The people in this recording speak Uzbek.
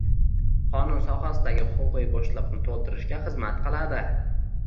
Qonun sohadagi huquqiy bo‘shliqni to‘ldirishga xizmat qiladi